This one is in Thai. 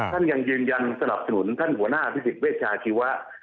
ท่านยังยืนยันสนับสนุนท่านหัวหน้าอภิษฎเวชาชีวะ